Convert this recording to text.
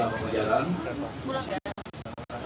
dapatkan itu penjara pembelajaran